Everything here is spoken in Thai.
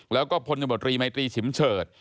แล้วก็พลตมตรีไมตรีฉิมเฉิด